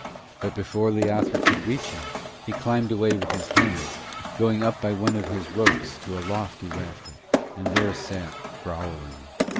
But before Leothric could reach him, he climbed away with his hands, going up by one of his ropes to a lofty rafter, and there sat, growling.